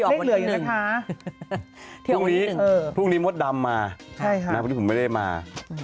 เลขเหลืออยู่นะคะพรุ่งนี้มดดำมาพรุ่งนี้ผมไม่ได้มาใช่ค่ะ